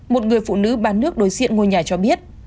một người phụ nữ bán nước đối diện ngôi nhà cho biết